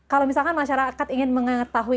kalau misalkan masyarakat ingin mengetahui